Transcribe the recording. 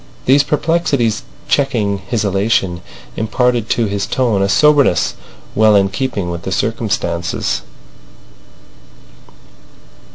These perplexities checking his elation imparted to his tone a soberness well in keeping with the circumstances.